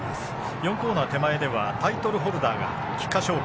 ４コーナー手前ではタイトルホルダーが菊花賞馬